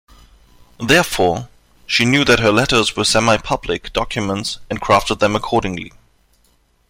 Therefore, she knew that her letters were semi-public documents and crafted them accordingly.